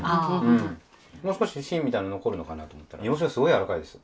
もう少し芯みたいなの残るのかなと思ったら煮干しがすごい柔らかいです。